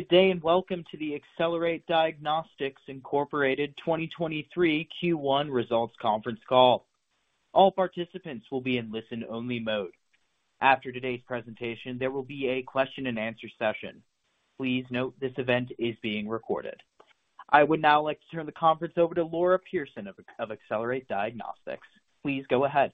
Good day, welcome to the Accelerate Diagnostics, Inc. 2023 Q1 Results Conference Call. All participants will be in listen-only mode. After today's presentation, there will be a question-and-answer session. Please note this event is being recorded. I would now like to turn the conference over to Laura Pierson of Accelerate Diagnostics. Please go ahead.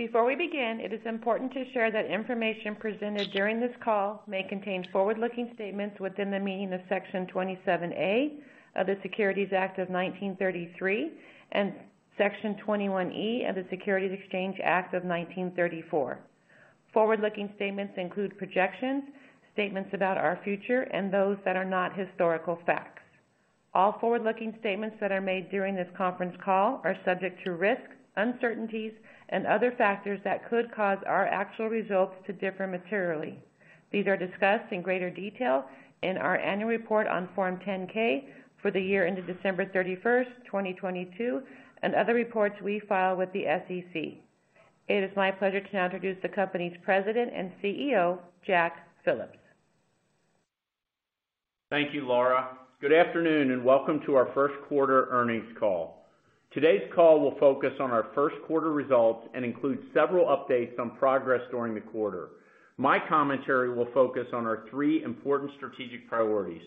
Before we begin, it is important to share that information presented during this call may contain forward-looking statements within the meaning of Section 27A of the Securities Act of 1933 and Section 21E of the Securities Exchange Act of 1934. Forward-looking statements include projections, statements about our future, and those that are not historical facts. All forward-looking statements that are made during this conference call are subject to risks, uncertainties, and other factors that could cause our actual results to differ materially. These are discussed in greater detail in our annual report on Form 10-K for the year ended December 31st 2022, and other reports we file with the SEC. It is my pleasure to now introduce the company's President and CEO, Jack Phillips. Thank you, Laura. Good afternoon, and welcome to our Q1 earnings call. Today's call will focus on our Q1 results and include several updates on progress during the quarter. My commentary will focus on our three important strategic priorities.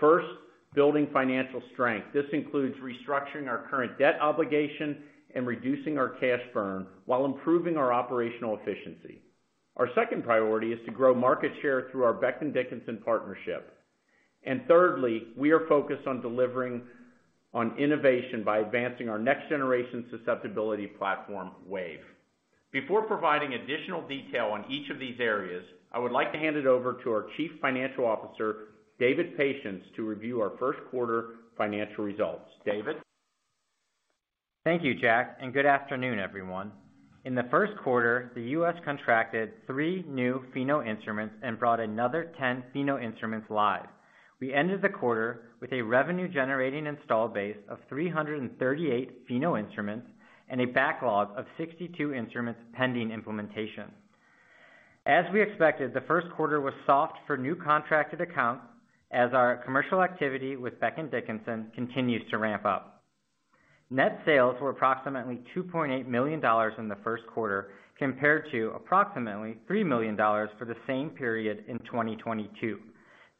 First, building financial strength. This includes restructuring our current debt obligation and reducing our cash burn while improving our operational efficiency. Our second priority is to grow market share through our Becton Dickinson partnership. And thirdly, we are focused on delivering on innovation by advancing our next-generation susceptibility platform, WAVE. Before providing additional detail on each of these areas, I would like to hand it over to our Chief Financial Officer, David Patience, to review our Q1 financial results. David? Thank you, Jack. Good afternoon, everyone. In the Q1, the U.S. contracted 3 new Pheno instruments and brought another 10 Pheno instruments live. We ended the quarter with a revenue-generating installed base of 338 Pheno instruments and a backlog of 62 instruments pending implementation. As we expected, the Q1 was soft for new contracted accounts as our commercial activity with Becton Dickinson continues to ramp up. Net sales were approximately $2.8 million in the Q1, compared to approximately $3 million for the same period in 2022.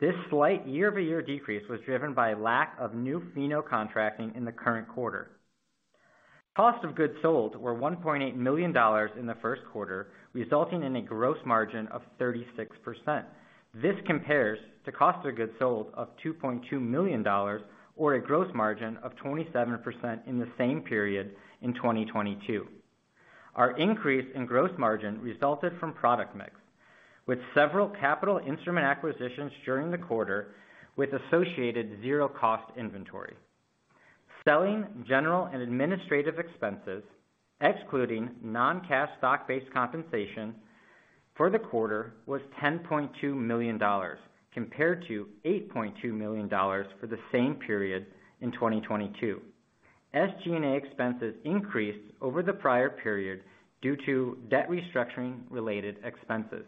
This slight year-over-year decrease was driven by lack of new Pheno contracting in the current quarter. Cost of goods sold were $1.8 million in the Q1, resulting in a gross margin of 36%. This compares to cost of goods sold of $2.2 million or a gross margin of 27% in the same period in 2022. Our increase in gross margin resulted from product mix, with several capital instrument acquisitions during the quarter with associated zero cost inventory. Selling, general, and administrative expenses, excluding non-cash stock-based compensation for the quarter, was $10.2 million, compared to $8.2 million for the same period in 2022. SG&A expenses increased over the prior period due to debt restructuring related expenses.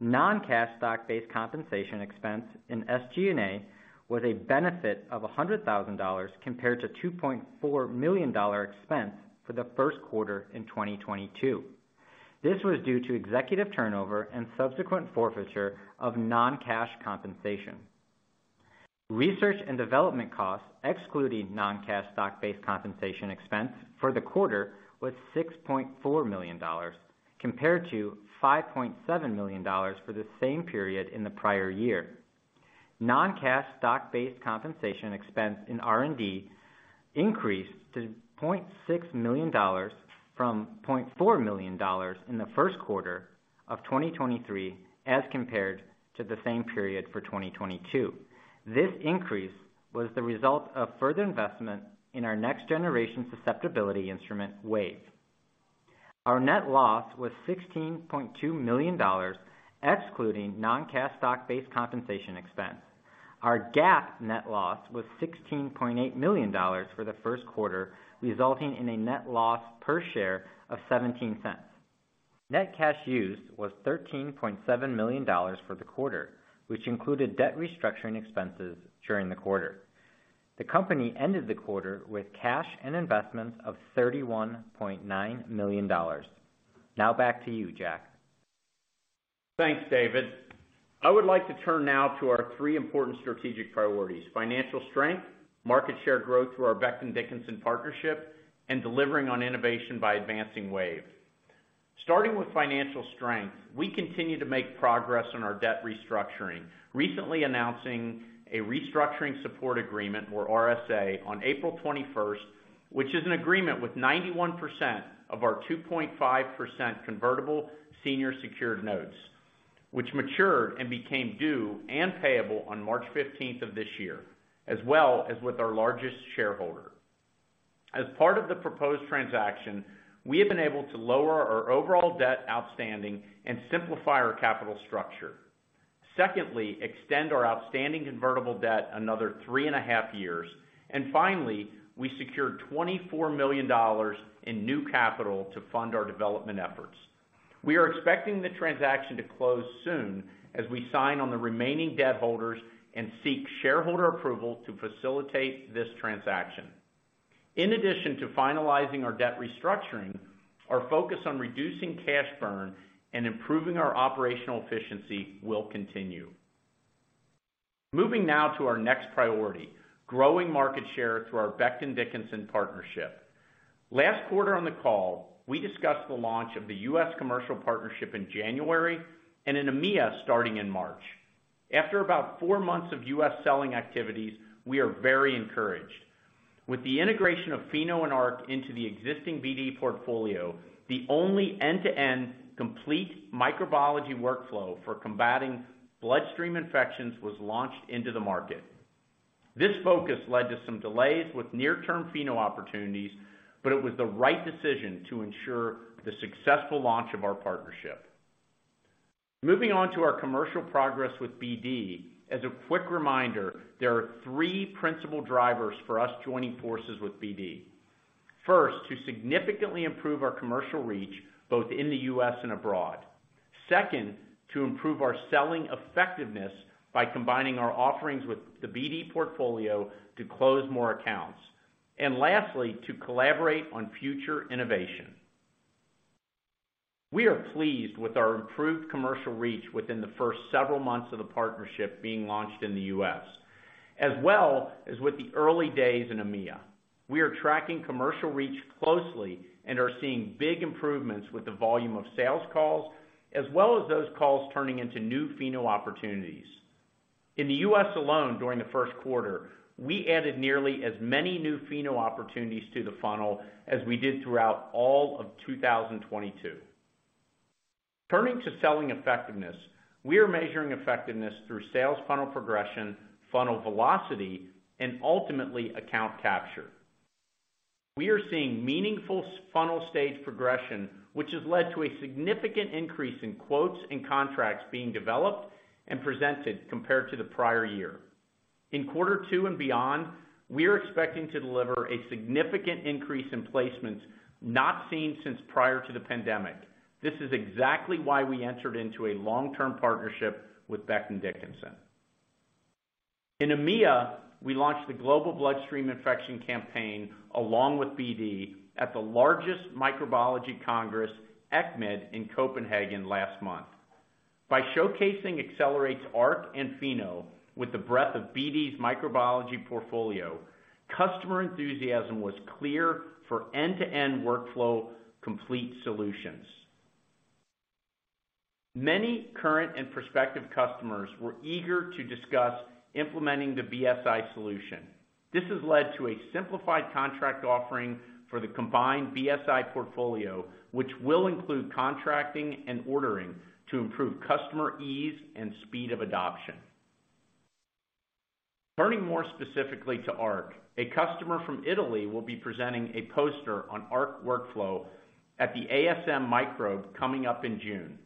Non-cash stock-based compensation expense in SG&A was a benefit of $100,000 compared to $2.4 million expense for the Q1 in 2022. This was due to executive turnover and subsequent forfeiture of non-cash compensation. Research and development costs, excluding non-cash stock-based compensation expense for the quarter, was $6.4 million, compared to $5.7 million for the same period in the prior year. Non-cash stock-based compensation expense in R&D increased to $0.6 million from $0.4 million in the Q1 of 2023 as compared to the same period for 2022. This increase was the result of further investment in our next-generation susceptibility instrument Wave. Our net loss was $16.2 million, excluding non-cash stock-based compensation expense. Our GAAP net loss was $16.8 million for the Q1, resulting in a net loss per share of $0.17. Net cash used was $13.7 million for the quarter, which included debt restructuring expenses during the quarter. The company ended the quarter with cash and investments of $31.9 million. Back to you, Jack. Thanks, David. I would like to turn now to our three important strategic priorities: financial strength, market share growth through our Becton Dickinson partnership, and delivering on innovation by advancing WAVE. Starting with financial strength, we continue to make progress on our debt restructuring, recently announcing a restructuring support agreement or RSA on April 21st, which is an agreement with 91% of our 2.5% convertible senior secured notes, which matured and became due and payable on March 15th of this year, as well as with our largest shareholder. As part of the proposed transaction, we have been able to lower our overall debt outstanding and simplify our capital structure. Secondly, extend our outstanding convertible debt another 3.5 years. Finally, we secured $24 million in new capital to fund our development efforts. We are expecting the transaction to close soon as we sign on the remaining debt holders and seek shareholder approval to facilitate this transaction. In addition to finalizing our debt restructuring, our focus on reducing cash burn and improving our operational efficiency will continue. Moving now to our next priority, growing market share through our Becton Dickinson partnership. Last quarter on the call, we discussed the launch of the U.S. commercial partnership in January and in EMEA starting in March. After about four months of U.S. selling activities, we are very encouraged. With the integration of Pheno and Arc into the existing BD portfolio, the only end-to-end complete microbiology workflow for combating bloodstream infections was launched into the market. This focus led to some delays with near-term Pheno opportunities, but it was the right decision to ensure the successful launch of our partnership. Moving on to our commercial progress with BD. As a quick reminder, there are three principal drivers for us joining forces with BD. First, to significantly improve our commercial reach, both in the U.S. and abroad. Second, to improve our selling effectiveness by combining our offerings with the BD portfolio to close more accounts. Lastly, to collaborate on future innovation. We are pleased with our improved commercial reach within the first several months of the partnership being launched in the U.S., as well as with the early days in EMEA. We are tracking commercial reach closely and are seeing big improvements with the volume of sales calls, as well as those calls turning into new Pheno opportunities. In the U.S. alone, during the Q1, we added nearly as many new Pheno opportunities to the funnel as we did throughout all of 2022. Turning to selling effectiveness, we are measuring effectiveness through sales funnel progression, funnel velocity, and ultimately account capture. We are seeing meaningful funnel stage progression, which has led to a significant increase in quotes and contracts being developed and presented compared to the prior year. In Q2 and beyond, we are expecting to deliver a significant increase in placements not seen since prior to the pandemic. This is exactly why we entered into a long-term partnership with Becton, Dickinson. In EMEA, we launched the Global Bloodstream Infection Campaign, along with BD, at the largest microbiology congress, ECCMID, in Copenhagen last month. By showcasing Accelerate's Arc and Pheno with the breadth of BD's microbiology portfolio, customer enthusiasm was clear for end-to-end workflow complete solutions. Many current and prospective customers were eager to discuss implementing the BSI solution. This has led to a simplified contract offering for the combined BSI portfolio, which will include contracting and ordering to improve customer ease and speed of adoption. Turning more specifically to ARC, a customer from Italy will be presenting a poster on ARC workflow at the ASM Microbe coming up in June.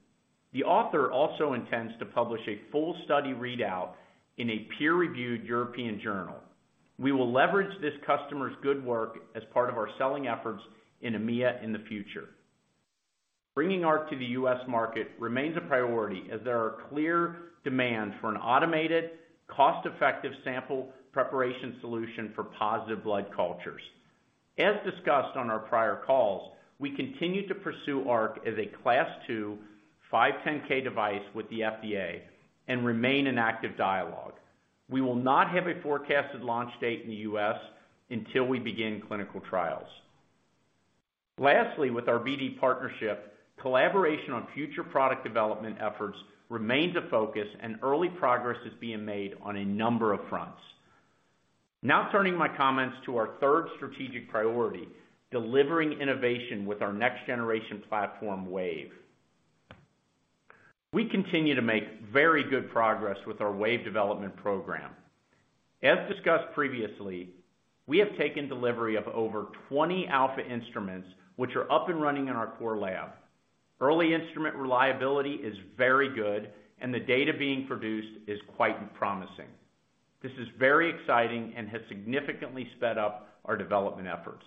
The author also intends to publish a full study readout in a peer-reviewed European journal. We will leverage this customer's good work as part of our selling efforts in EMEA in the future. Bringing ARC to the U.S. market remains a priority as there are clear demand for an automated, cost-effective sample preparation solution for positive blood cultures. As discussed on our prior calls, we continue to pursue ARC as a Class II, 510(k) device with the FDA and remain in active dialogue. We will not have a forecasted launch date in the U.S. until we begin clinical trials. Lastly, with our BD partnership, collaboration on future product development efforts remains a focus, and early progress is being made on a number of fronts. Turning my comments to our third strategic priority, delivering innovation with our next-generation platform, WAVE. We continue to make very good progress with our WAVE development program. As discussed previously, we have taken delivery of over 20 Alpha instruments, which are up and running in our core lab. Early instrument reliability is very good and the data being produced is quite promising. This is very exciting and has significantly sped up our development efforts.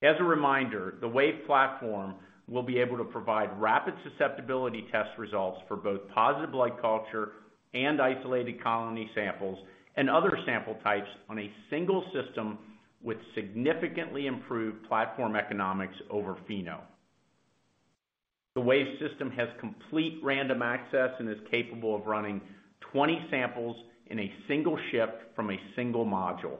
As a reminder, the WAVE platform will be able to provide rapid susceptibility test results for both positive blood culture and isolated colony samples, and other sample types on a single system with significantly improved platform economics over Pheno. The Wave system has complete random access and is capable of running 20 samples in a single shift from a single module.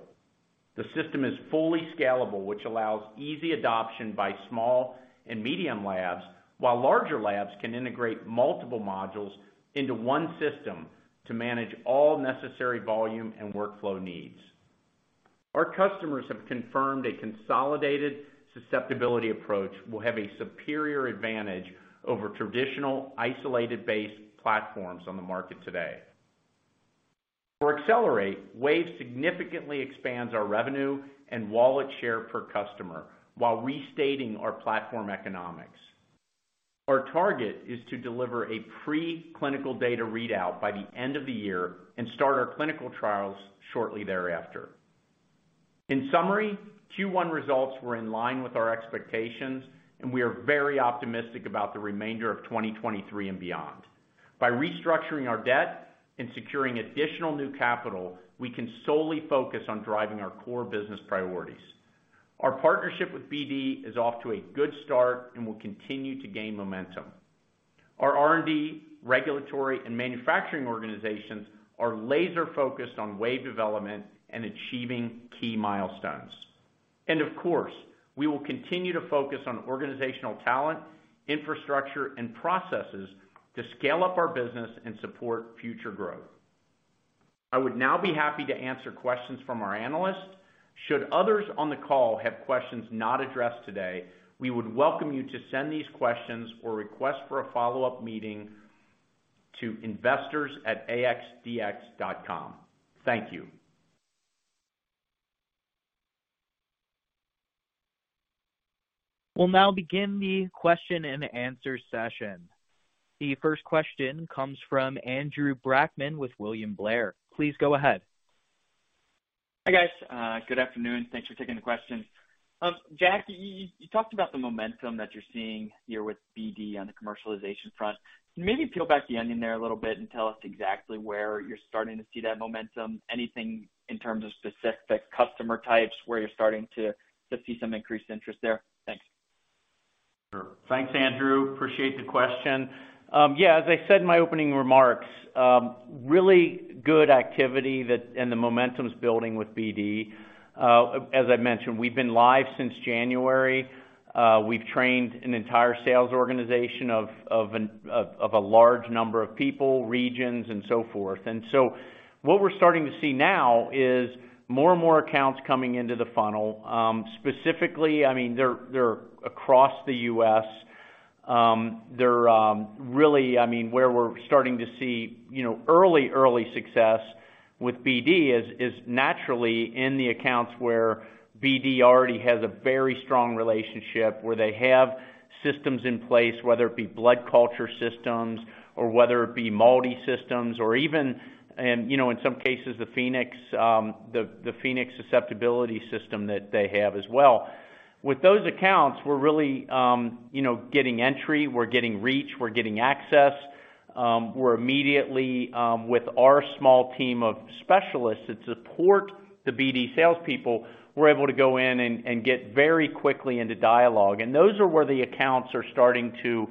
The system is fully scalable, which allows easy adoption by small and medium labs, while larger labs can integrate multiple modules into one system to manage all necessary volume and workflow needs. Our customers have confirmed a consolidated susceptibility approach will have a superior advantage over traditional isolated base platforms on the market today. For Accelerate, WAVE significantly expands our revenue and wallet share per customer while restating our platform economics. Our target is to deliver a free clinical data readout by the end of the year and start our clinical trials shortly thereafter. In summary, Q1 results were in line with our expectations. We are very optimistic about the remainder of 2023 and beyond. By restructuring our debt and securing additional new capital, we can solely focus on driving our core business priorities. Our partnership with BD is off to a good start and will continue to gain momentum. Our R&D, regulatory, and manufacturing organizations are laser-focused on WAVE development and achieving key milestones. Of course, we will continue to focus on organizational talent, infrastructure, and processes to scale up our business and support future growth. I would now be happy to answer questions from our analysts. Should others on the call have questions not addressed today, we would welcome you to send these questions or request for a follow-up meeting to investors@axdx.com. Thank you. We'll now begin the question-and-answer session. The first question comes from Andrew Brackmann with William Blair. Please go ahead. Hi, guys. good afternoon. Thanks for taking the questions. Jack, you talked about the momentum that you're seeing here with BD on the commercialization front. Can you maybe peel back the onion there a little bit and tell us exactly where you're starting to see that momentum? Anything in terms of specific customer types where you're starting to see some increased interest there? Thanks. Sure. Thanks, Andrew. Appreciate the question. Yeah, as I said in my opening remarks, really good activity that. The momentum's building with BD. As I mentioned, we've been live since January. We've trained an entire sales organization of a large number of people, regions and so forth. What we're starting to see now is more and more accounts coming into the funnel, specifically, I mean, they're across the U.S. They're really, I mean, where we're starting to see, you know, early success with BD is naturally in the accounts where BD already has a very strong relationship, where they have systems in place, whether it be blood culture systems or whether it be multi-systems or even, you know, in some cases, the Phoenix susceptibility system that they have as well. With those accounts, we're really, you know, getting entry, we're getting reach, we're getting access. We're immediately with our small team of specialists that support the BD salespeople, we're able to go in and get very quickly into dialogue. Those are where the accounts are starting to,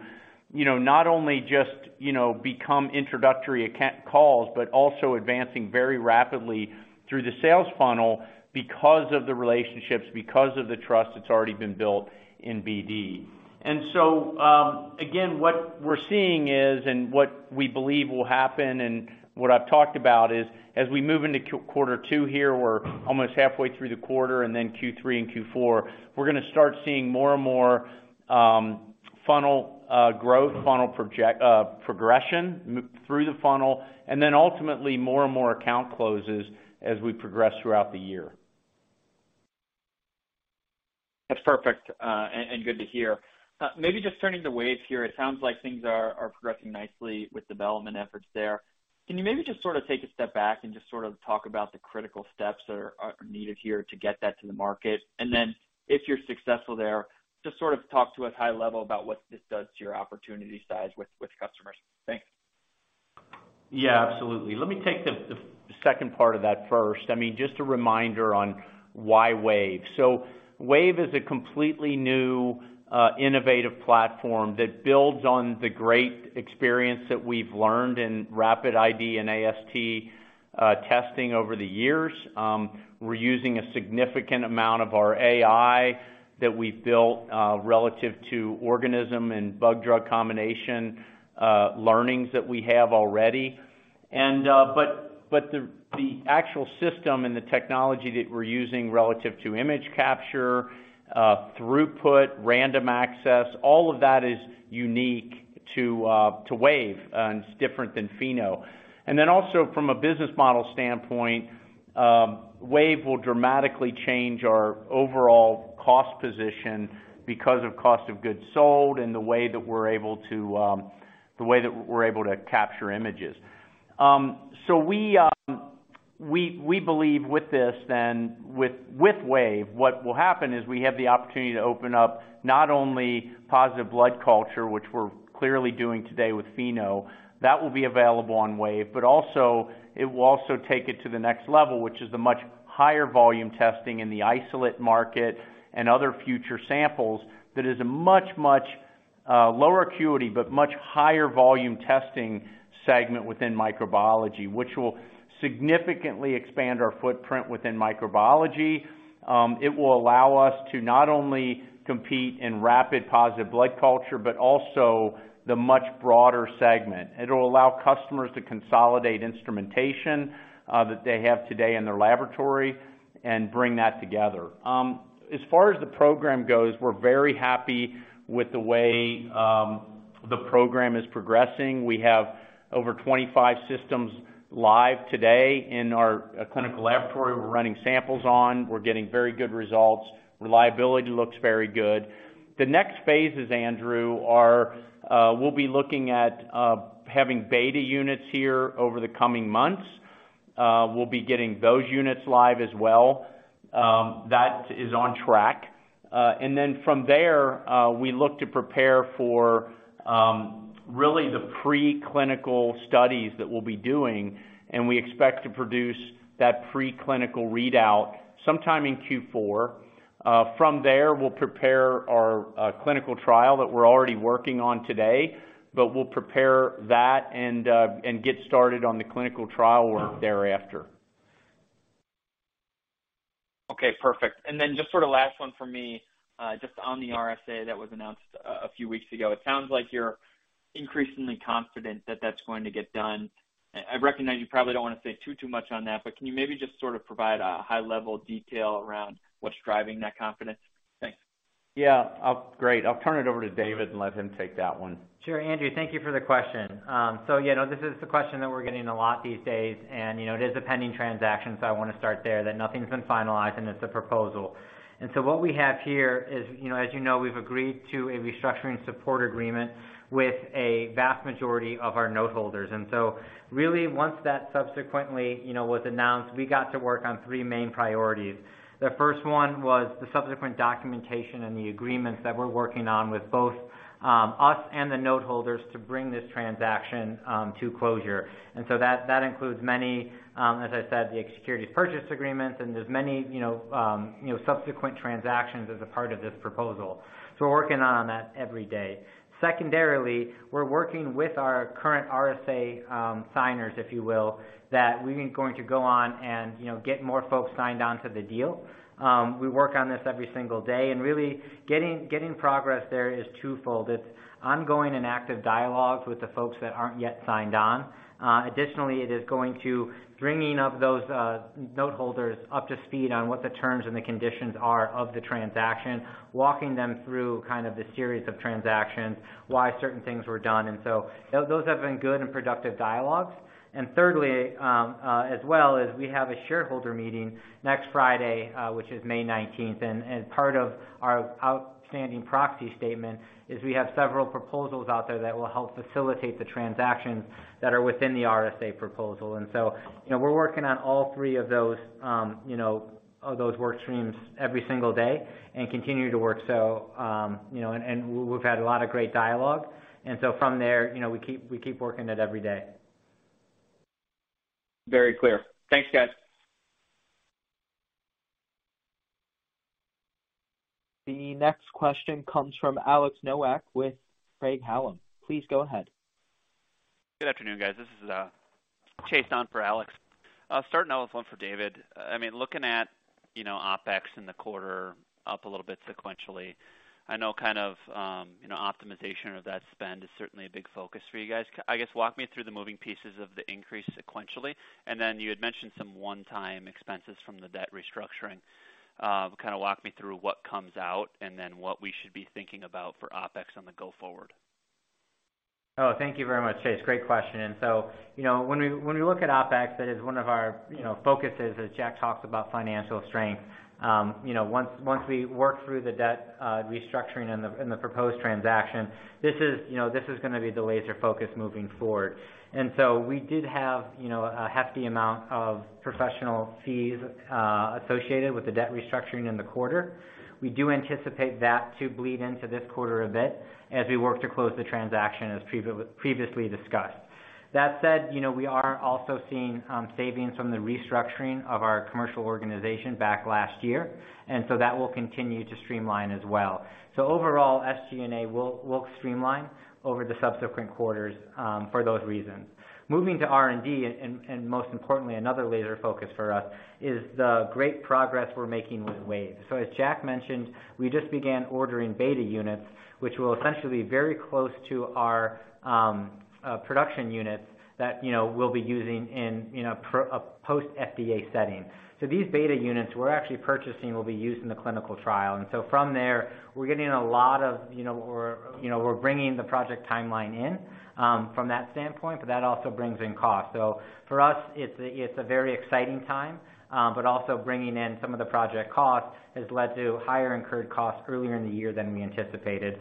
you know, not only just, you know, become introductory calls, but also advancing very rapidly through the sales funnel because of the relationships, because of the trust that's already been built in BD. Again, what we're seeing is and what we believe will happen and what I've talked about is as we move into Q2 here, we're almost halfway through the quarter and then Q3 and Q4, we're gonna start seeing more and more funnel growth, funnel project progression through the funnel, and then ultimately more and more account closes as we progress throughout the year. That's perfect, and good to hear. Maybe just turning to Wave here, it sounds like things are progressing nicely with development efforts there. Can you maybe just sort of take a step back and just sort of talk about the critical steps that are needed here to get that to the market? Then if you're successful there, just sort of talk to us high level about what this does to your opportunity size with customers. Thanks. Yeah, absolutely. Let me take the second part of that first. I mean, just a reminder on why Wave. Wave is a completely new, innovative platform that builds on the great experience that we've learned in Rapid ID and AST, testing over the years. We're using a significant amount of our AI that we've built, relative to organism and bug-drug combination, learnings that we have already. The actual system and the technology that we're using relative to image capture, throughput, random access, all of that is unique to WAVE, and it's different than Pheno. Also from a business model standpoint, WAVE will dramatically change our overall cost position because of cost of goods sold and the way that we're able to capture images. We believe with this then, with WAVE, what will happen is we have the opportunity to open up not only positive blood culture, which we're clearly doing today with Pheno. That will be available on WAVE. Also, it will also take it to the next level, which is the much higher volume testing in the isolate market and other future samples that is a much, much lower acuity, but much higher volume testing segment within microbiology, which will significantly expand our footprint within microbiology. It will allow us to not only compete in rapid positive blood culture, but also the much broader segment. It'll allow customers to consolidate instrumentation that they have today in their laboratory and bring that together. As far as the program goes, we're very happy with the way the program is progressing. We have over 25 systems live today in our clinical laboratory. We're running samples on. We're getting very good results. Reliability looks very good. The next phases, Andrew, are, we'll be looking at having beta units here over the coming months. We'll be getting those units live as well. That is on track. From there, we look to prepare for really the preclinical studies that we'll be doing, and we expect to produce that preclinical readout sometime in Q4. From there, we'll prepare our clinical trial that we're already working on today, but we'll prepare that and get started on the clinical trial work thereafter. Okay, perfect. Just sort of last one for me, just on the RSA that was announced a few weeks ago. It sounds like you're increasingly confident that that's going to get done. I recognize you probably don't want to say too much on that, but can you maybe just sort of provide a high level detail around what's driving that confidence? Thanks. Yeah. Great. I'll turn it over to David and let him take that one. Sure. Andrew, thank you for the question. Yeah, no, this is the question that we're getting a lot these days, and, you know, it is a pending transaction, so I wanna start there. That nothing's been finalized, and it's a proposal. What we have here is, you know, as you know, we've agreed to a restructuring support agreement with a vast majority of our note holders. Really once that subsequently, you know, was announced, we got to work on three main priorities. The first one was the subsequent documentation and the agreements that we're working on with both us and the note holders to bring this transaction to closure. That includes many, as I said, the securities purchase agreements, and there's many, you know, subsequent transactions as a part of this proposal. We're working on that every day. Secondarily, we're working with our current RSA signers, if you will, that we're going to go on and, you know, get more folks signed on to the deal. We work on this every single day. Really getting progress there is twofold. It's ongoing and active dialogues with the folks that aren't yet signed on. Additionally, it is going to bringing up those note holders up to speed on what the terms and the conditions are of the transaction, walking them through kind of the series of transactions, why certain things were done. Those have been good and productive dialogues. Thirdly, as well is we have a shareholder meeting next Friday, which is May 19th. Part of our outstanding proxy statement is we have several proposals out there that will help facilitate the transactions that are within the RSA proposal. You know, we're working on all three of those, you know, of those work streams every single day and continue to work. You know, we've had a lot of great dialogue. From there, you know, we keep working it every day. Very clear. Thanks, guys. The next question comes from Alex Nowak with Craig-Hallum. Please go ahead. Good afternoon, guys. This is Chase on for Alex. Starting out with one for David. I mean, looking at, you know, OpEx in the quarter up a little bit sequentially, I know kind of, you know, optimization of that spend is certainly a big focus for you guys. I guess walk me through the moving pieces of the increase sequentially, and then you had mentioned some one-time expenses from the debt restructuring. Kind of walk me through what comes out and then what we should be thinking about for OpEx on the go forward. Oh, thank you very much, Chase. Great question. You know, when we look at OpEx, that is one of our, you know, focuses as Jack talked about financial strength. You know, once we work through the debt restructuring and the proposed transaction, this is, you know, this is gonna be the laser focus moving forward. We did have, you know, a hefty amount of professional fees associated with the debt restructuring in the quarter. We do anticipate that to bleed into this quarter a bit as we work to close the transaction as previously discussed. That said, you know, we are also seeing savings from the restructuring of our commercial organization back last year, that will continue to streamline as well. Overall, SG&A will streamline over the subsequent quarters for those reasons. Moving to R&D and most importantly, another laser focus for us is the great progress we're making with WAVE. As Jack mentioned, we just began ordering beta units, which will essentially be very close to our production units that, you know, we'll be using in a post FDA setting. These beta units we're actually purchasing will be used in the clinical trial. From there, we're getting a lot of, you know, we're bringing the project timeline in from that standpoint, but that also brings in cost. For us, it's a very exciting time, but also bringing in some of the project costs has led to higher incurred costs earlier in the year than we anticipated.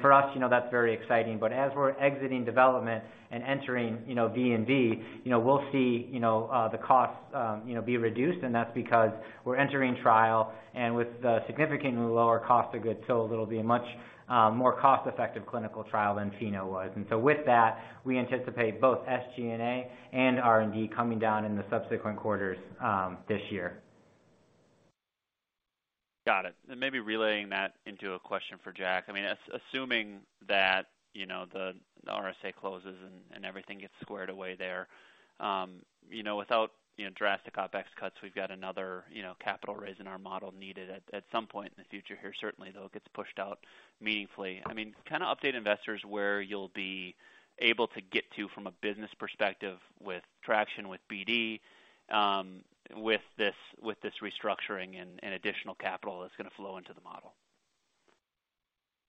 For us, you know, that's very exciting. As we're exiting development and entering, you know, D&D, you know, we'll see, you know, the costs, you know, be reduced, and that's because we're entering trial and with the significantly lower cost of goods. It'll be a much more cost-effective clinical trial than Pheno was. With that, we anticipate both SG&A and R&D coming down in the subsequent quarters this year. Got it. Maybe relaying that into a question for Jack. I mean, assuming that, you know, the RSA closes and everything gets squared away there, you know, without, you know, drastic OpEx cuts, we've got another, you know, capital raise in our model needed at some point in the future here. Certainly, though it gets pushed out meaningfully. I mean, kind of update investors where you'll be able to get to from a business perspective with traction with BD, with this restructuring and additional capital that's gonna flow into the model.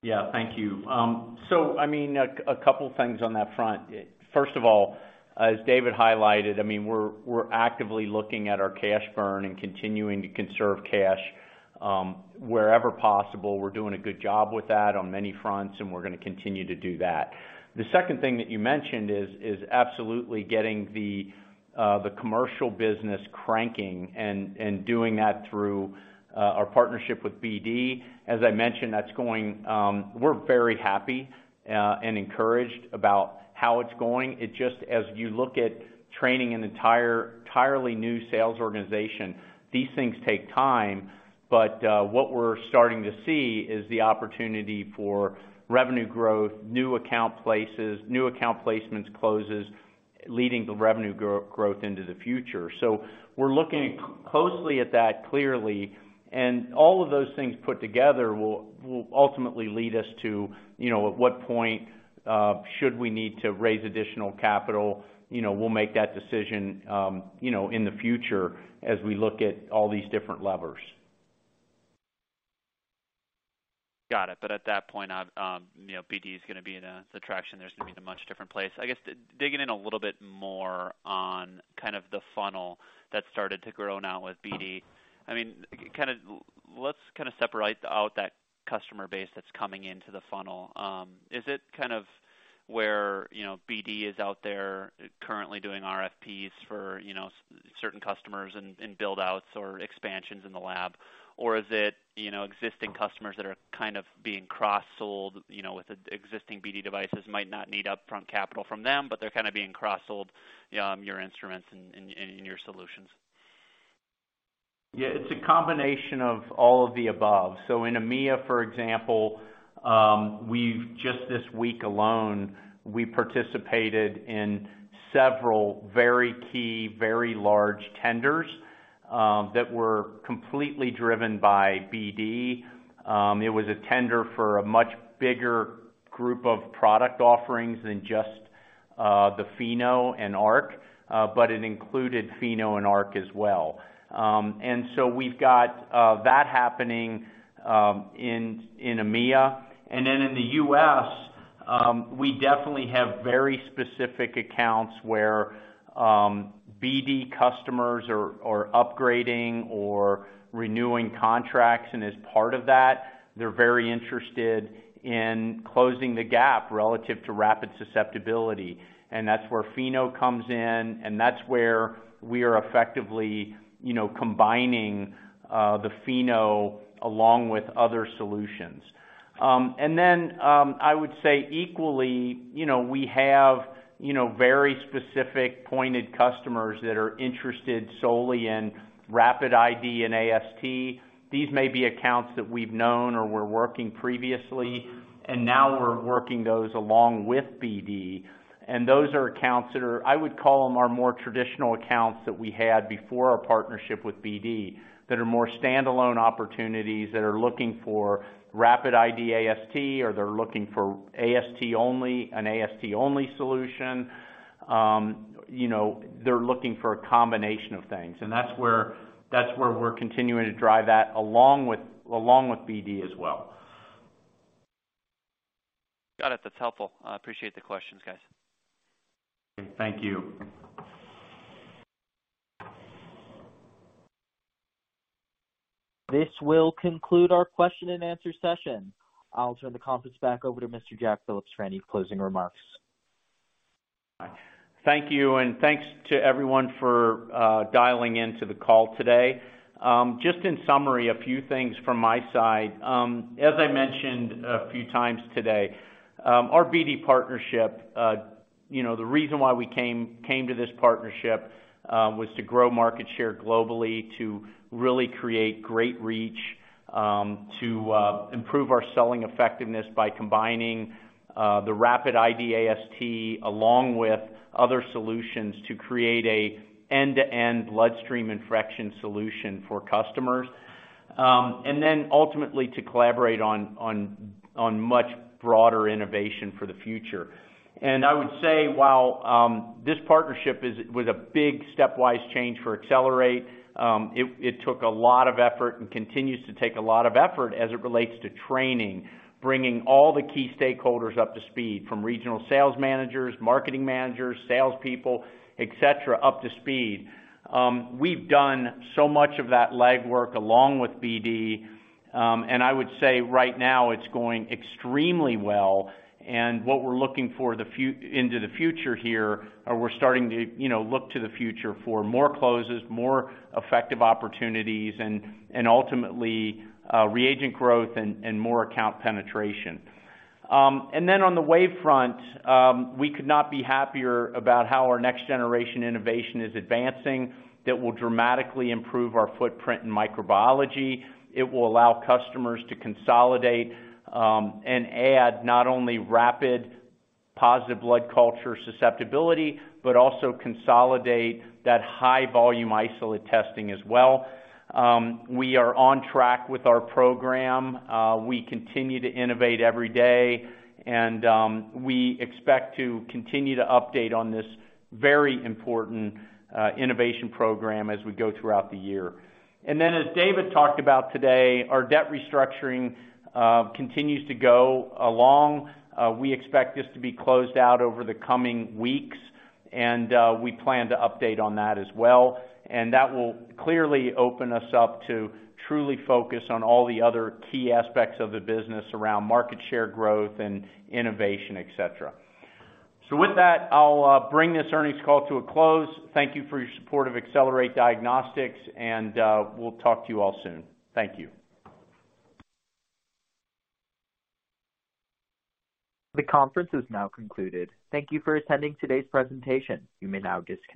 Yeah, thank you. I mean, a couple things on that front. First of all, as David highlighted, I mean, we're actively looking at our cash burn and continuing to conserve cash wherever possible. We're doing a good job with that on many fronts, and we're gonna continue to do that. The second thing that you mentioned is absolutely getting the commercial business cranking and doing that through our partnership with BD. As I mentioned, that's going. We're very happy and encouraged about how it's going. It just, as you look at training an entirely new sales organization, these things take time. What we're starting to see is the opportunity for revenue growth, new account places, new account placements closes, leading to revenue growth into the future. We're looking closely at that clearly, and all of those things put together will ultimately lead us to, you know, at what point should we need to raise additional capital, you know, we'll make that decision, you know, in the future as we look at all these different levers. Got it. At that point, I've, you know, BD is gonna be in a... The traction there's gonna be in a much different place. I guess, digging in a little bit more on kind of the funnel that started to grow now with BD. I mean, kind of, let's kinda separate out that customer base that's coming into the funnel. Is it kind of where, you know, BD is out there currently doing RFPs for, you know, certain customers and build outs or expansions in the lab, or is it, you know, existing customers that are kind of being cross-sold, you know, with existing BD devices, might not need upfront capital from them, but they're kinda being cross-sold, your instruments and your solutions? Yeah, it's a combination of all of the above. In EMEA, for example, just this week alone, we participated in several very key, very large tenders that were completely driven by BD. It was a tender for a much bigger group of product offerings than just the Pheno and Arc, but it included Pheno and Arc as well. We've got that happening in EMEA. In the U.S., we definitely have very specific accounts where BD customers are upgrading or renewing contracts. As part of that, they're very interested in closing the gap relative to rapid susceptibility. That's where Pheno comes in, and that's where we are effectively, you know, combining the Pheno along with other solutions. I would say equally, we have very specific pointed customers that are interested solely in Rapid ID and AST. These may be accounts that we've known or were working previously, and now we're working those along with BD. Those are accounts that are, I would call them, more traditional accounts that we had before our partnership with BD, that are more standalone opportunities that are looking for Rapid ID AST, or they're looking for AST only, an AST-only solution. They're looking for a combination of things, and that's where, that's where we're continuing to drive at, along with BD as well. Got it. That's helpful. I appreciate the questions, guys. Thank you. This will conclude our question and answer session. I'll turn the conference back over to Mr. Jack Phillips for any closing remarks. Thank you. Thanks to everyone for dialing in to the call today. Just in summary, a few things from my side. As I mentioned a few times today, our BD partnership, you know, the reason why we came to this partnership was to grow market share globally, to really create great reach, to improve our selling effectiveness by combining the Rapid ID AST along with other solutions to create a end-to-end bloodstream infection solution for customers. Ultimately to collaborate on much broader innovation for the future. I would say, while this partnership is, was a big stepwise change for Accelerate, it took a lot of effort and continues to take a lot of effort as it relates to training, bringing all the key stakeholders up to speed from regional sales managers, marketing managers, salespeople, et cetera, up to speed. We've done so much of that legwork along with BD. I would say right now it's going extremely well. What we're looking for into the future here, or we're starting to, you know, look to the future for more closes, more effective opportunities and, ultimately, reagent growth and more account penetration. On the WAVE front, we could not be happier about how our next-generation innovation is advancing. That will dramatically improve our footprint in microbiology. It will allow customers to consolidate and add not only rapid positive blood culture susceptibility, but also consolidate that high volume isolate testing as well. We are on track with our program. We continue to innovate every day, and we expect to continue to update on this very important innovation program as we go throughout the year. As David talked about today, our debt restructuring continues to go along. We expect this to be closed out over the coming weeks, and we plan to update on that as well. That will clearly open us up to truly focus on all the other key aspects of the business around market share growth and innovation, et cetera. With that, I'll bring this earnings call to a close. Thank you for your support of Accelerate Diagnostics, and we'll talk to you all soon. Thank you. The conference is now concluded. Thank you for attending today's presentation. You may now disconnect.